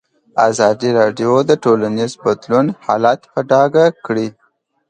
ازادي راډیو د ټولنیز بدلون حالت په ډاګه کړی.